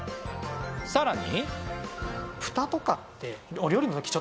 さらに。